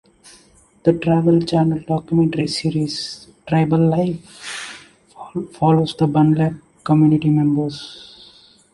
The Travel Channel documentary series "Tribal Life" follows the Bunlap community members.